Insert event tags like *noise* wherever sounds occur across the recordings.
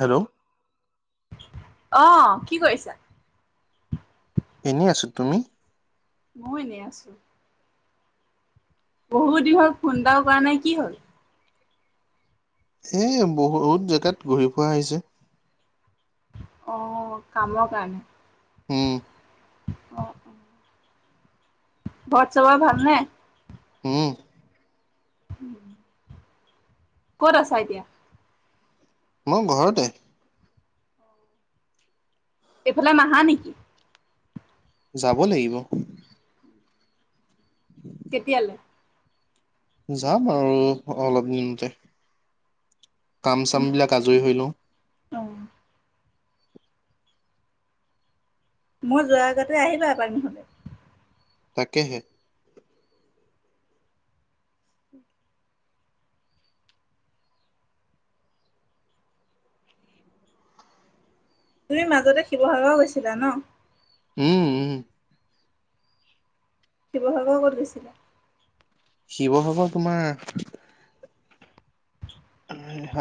Hello. অ', কি কৰিছা? এনেই আছোঁ, তুমি? মইয়ো, এনেই আছো। বহুত দিন হ'ল ফোন এটাও কৰা নাই, কি হ'ল? এ বহুত জেগাত ঘূৰি ফুৰা আহিছে। অ, কামৰ কাৰণে। উম। অ', অ'। ঘৰত চবৰে ভাল নে? উম। উম। ক'ত আছ এতিয়া? মই, ঘৰতে এইফালে নাহা নেকি? যাব লাগিব উম, কেতিয়ালৈ? যাম, আৰু অলপ দিনতে কাম, চাম, বিলাক আজৰি হৈ লও অ', মই, যোৱাৰ আগতে আহিবা নহলে তাকেহে তুমি, মাজতে শিৱসাগৰও গৈছিলা ন? উম, উম শিৱসাগৰ ক'ত গৈছিলে? শিৱসাগৰ তোমাৰ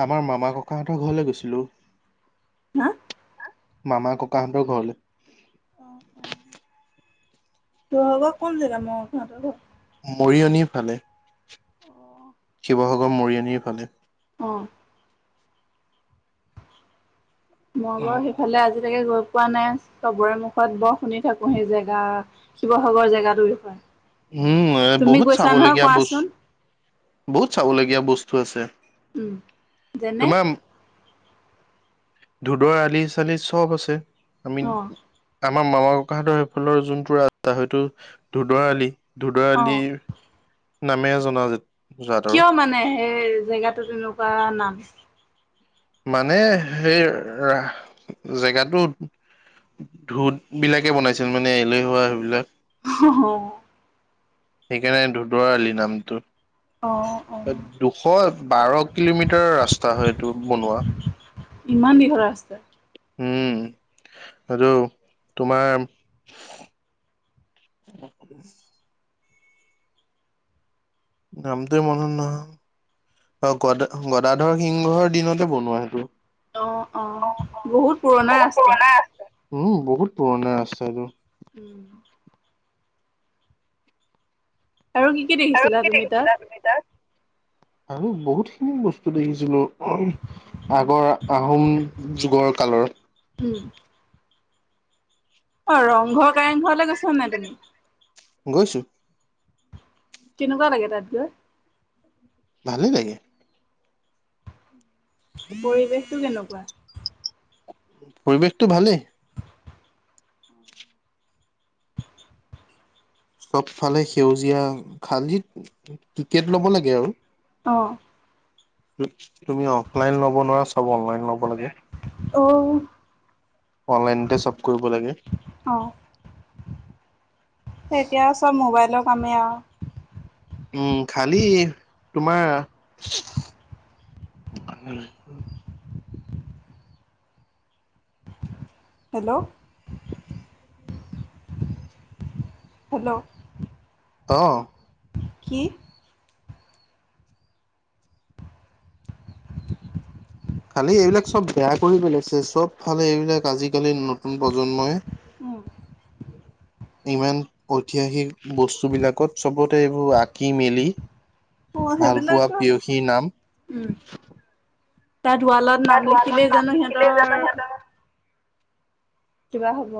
আমাৰ মামা ককাহঁতৰ ঘৰলৈ গৈছিলোঁ হা মামা ককাহঁতৰ ঘৰলৈ অ', হব কোন জেগা মৰিয়নি ফালে অ', শিৱসাগৰ মৰিয়নিৰ ফালে অ', - মই, বাৰু সেইফালে আজিলৈকে গৈ পোৱা নাই, চবৰে মুখত বৰ শুনি থাকো সেই জেগা শিৱসাগৰ জেগাটো বিষয় উম এ তুমি বহুত গৈছা নহয় চাবলগীয়া বস্তু কোৱাচোন বহুত চাবলগীয়া বস্তু আছে উম, যেনে তোমাৰ ধোদৰ আলি চালি চব আছে আমি অ আমাৰ মামা ককাহঁতৰ সেইফালৰ যোনটো ৰাস্তা, হয়তটো ধোদৰালি ধুদৰ অ আলি নামে জনাজাত। আৰু কিয় মানে সেই জেগাতো তেনেকুৱা নাম। মানে সেই, জেগাটোত। ধোত বিলাকে বনাইছিল মানে এলেৈহুৱা সেইবিলাক। *inaudible* সেইকাৰণে ধুদৰ আলি নামটো। অ অ দুশ বাৰ কিলোমিটাৰৰ ৰাস্তা হয় এইটো। বনোৱা ইমান দীঘল ৰাষ্টা। উম, আৰু তোমাৰ। *unintelligible* নামতে মন নাহা অ, গদ গদাধৰ সিংহৰ দিনতে বনোৱা সেইটো। অ, অ, বহুত পুৰণাই বহুত ৰাষ্টা। পুৰণা। উম, বহুত পুৰণা ৰাস্তা এইটো। উম, আৰু কি কি দেখি আৰু কি দেখিছিলা তুমি তাত, আৰু বহুতখিনি বস্তু দেখিছিলো। আগৰ আহোম যুগৰ কালৰ। উম, অ, ৰংঘৰ কাৰেংঘৰলৈ গৈছা নাই তুমি? গৈছো। কেনেকুৱা লাগে তাত গৈ? ভালে লাগে। পৰিৱেশতটো কেনেকুৱা? পৰিৱেশটো ভালেই। চবফালে সেউজীয়া খালিত টিকেট ল'ব লাগে। আৰু অ, তুমি অফলাইন ল'ব নোৱাৰা চাব অনলাইন ল'ব লাগে। অ, অনলাইনতে চ'ব কৰিব লাগে। তেতিয়া চ'ব মোবাইলৰ কামে আৰু। উম, খালি তোমাৰ। হেল্ল, হেল্ল, অ, কি? খালি এইবিলাক চ'ব বেয়া কৰি পেলাইছে চব ফালে এইবিলাক আজিকালি নতুন প্ৰজন্মই। উম, ইমান ঐতিহাসিক বস্তুবিলাকত চ'বতে এইবোৰ আঁকি মেলি। অ ভালপোৱা সেইবিলাকতো পিয়সী নাম। উম, তাৰ ৱালত তাত নাম ৱালত লিখিলে নাম জানো লিখিলে জানো সিহঁতৰ। কিবা হ'ব?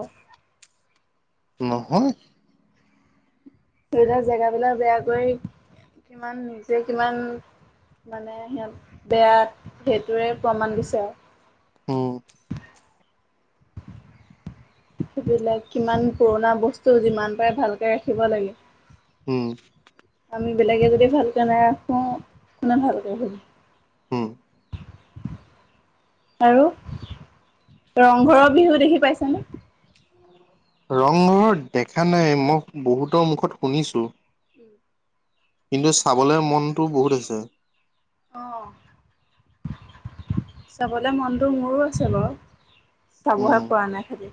নহয়। ধৰিলাক জেগাবিলাক বেয়াকৰি কিমান নিজে কিমান। মানে সিহঁত বেয়া সেইটোৱৰে প্ৰমাণ দিছে আৰু। উম, সেইবিলাক কিমান পুৰণা বস্তু যিমান পাৰে ভালকে ৰাখিব লাগে।। উম, আমি বেলেগে যদি ভালকে নাৰাখো কোনে ভাল কৰি ৰাখি হম, আৰু ৰংঘৰৰ বিহু দেখি পাইছে নে? ৰংঘৰৰ দেখা নাই, মই বহুতৰ মুখত শুনিছোঁ। উম। কিন্তু চাবলে মনটো বহুত আছে। অ'। চাবলে মনটো মোৰো আছে বাৰু। চাবহে উম পৰা নাই খালি।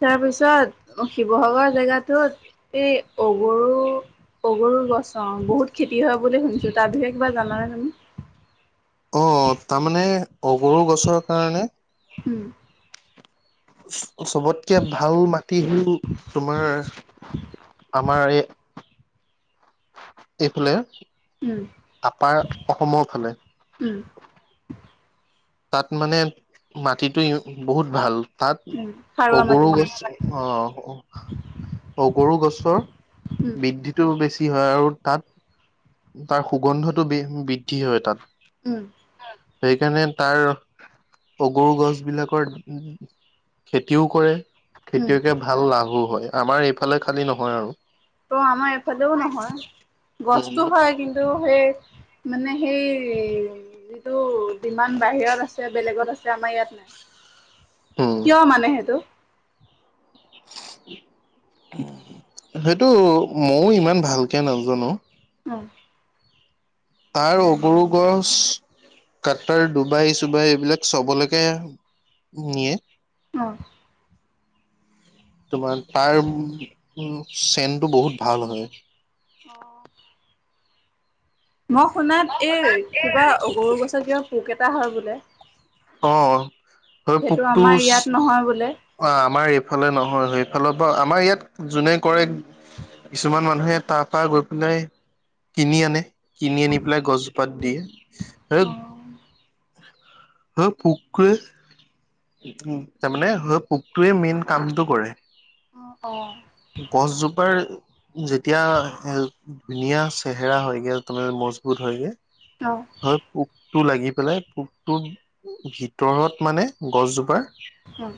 তাৰপিছত শিৱসাগৰ জেগাটোত এই অগৰু অগৰুৰ গছ অ', বহুত খেতি হয় বুলি শুনিছো। তাৰ বিষয়ে কিবা জানানে তুমি? অ', তাৰমানে অগৰু গছৰ কাৰণে উম। চবতকে ভাল মাটি হ'ল তোমাৰ আমাৰ এই এইফালে। উম। আপাৰ অসমৰ ফালে। উম। তাত মানে মাটিটো বহুত ভাল। তাত উম সাৰুৱা মাটি অগৰু মানে গছ, অ'। অগৰু গছৰ উম বৃদ্ধি টো বেছি হয় আৰু তাত তাৰ সুগন্ধটো বি বৃদ্ধি হয় তাত। উম। সেইকাৰণে তাৰ অগৰু গছবিলাকৰ খেতিও কৰে। উম খেতিয়কে ভাল লাভো হয়। আমাৰ এইফালে খালী নহয় আৰু। তো আমাৰ এইফালেও নহয়। গছতো উম হয় কি সেই মানে সেই যিটো ডিমান বাহিৰত আছে, বেলেগত আছে, আমাৰ ইয়াত নাই। উম কিয় মানে সেইটো? সেইটো মও ইমান ভালকে নাজানো। উম। তাৰ অগৰু গছ কাট্টাৰ, ডুবাই-চুবাই এইবিলাক চবলেকে নিয়ে। অ'। তোমাৰ তাৰ চেণ্ডটো বহুত ভাল হয়। অ'। মই শুনাত এই কিবা অগৰু গছৰ কিবা পোক এটা হয় বোলে? অ সেইটো আমাৰ ইয়াত নহয় বোলে। অ', আমাৰ এইফালে নহয়। এইফালৰ পৰা আমাৰ ইয়াত যোনে কৰে কিছুমান মানুহে তাৰ পৰা গৈ পেলাই কিনি আনে। কিনি অ', আনি পেলাই গছজোপাত দিয়ে। তাছত অ', পোকে উম, তাৰমানে হেই পোকটোৱে মেইন কামটো কৰে। অ', অ'। গছজোপাৰ যেতিয়া হেল্থ, ধুনীয়া চেহেৰা হয়গে তোমাৰ মজবুত হয়গে অ'। হে পোকটো লাগি পেলাই পোকটো ভিতৰত মানে গছজোপাৰ উম,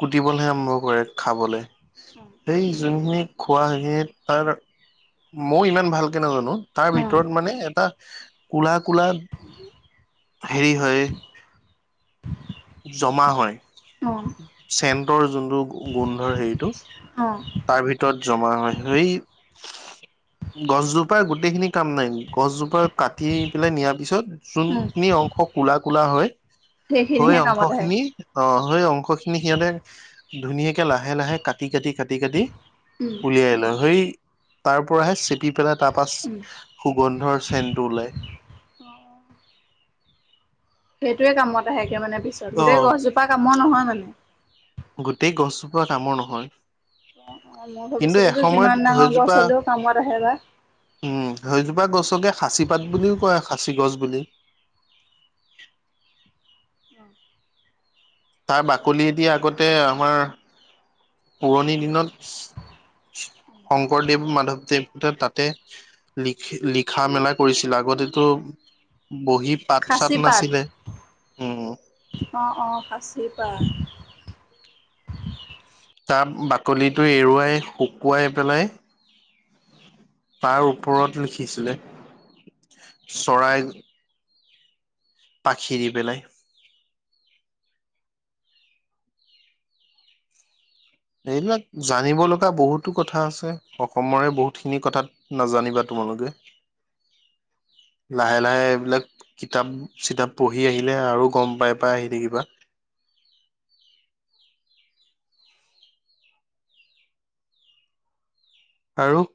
কুটিবলেহে আৰম্ভ কৰে, খাবলে। সেই যোনখিনি খোৱা সেইখিনিত তাৰ মও ইমান ভালকে নাজানো। তাৰ উম, ভিতৰত মানে এটা কোলা কোলা হেৰি হয়। জমা হয়। অ', চেন্টৰ যোনটো গোন্ধৰ হেৰিটো উম, তাৰ ভিতৰত জমা হয় সেই গছজোপাৰ গোটেইখিনি কাম নাই গছজোপাৰ কাটি পেলাই নিয়াৰ পিছত, উম, যোনখিনি অংশ কলা কলা হয় হয় সেইখিনিহে অংশ কামত আহে। খিনি অ, ' সেই অংশখিনি সিহঁতে ধুনীয়াকে লাহে লাহে কাটি কাটি কাটি কাটি কাটি উম, উলিয়াই লওঁ, সেই তাৰ পৰাহে চেপি পেলাই তা পাছ উম, সুগন্ধৰ চেনটো ওলাই। অ', সেইটোৱে কামত আহেগে মানে, পিছত অ গোটেই গছজোপা কামৰ নহয় মানে? গোটেই গছজোপা কামৰ নহয়। মই কিন্তু ভাবিছিলো যে, এসময়ত যিমান ডাঙৰ গছ সেইজোপা হ'লেও কামত আহে বা উম' সেইজোপা গছকে খাচি পাত বুলিও কয় খাচী গছ বুলি। উম', তাৰ বাকলিদি আগতে আমাৰ পুৰণি দিনত শংকৰদেৱ মাধৱদেৱোতে তাত লিখি লিখা মেলা কৰিছিল আগতেতো বহি তাত খাচী চাত পাত নাছিলে উম', অ', অ', সাচীৰ পাত তাৰ বাকলিটো এৰুৱাই শুকুৱাই পেলাই তাৰ ওপৰত লিখিছিলে চৰাই পাখি দি পেলাই এইবিলাক জানিব লগা বহুতো কথা আছে, অসমৰে বহুতখিনি কথাত নাজানিবা তোমালোকে আ লাহে, লাহে, এইবিলাক কিতাপ চিতাপ পঢ়ি আহিলে আৰু গম পাই পাই আহি থাকিবা আৰু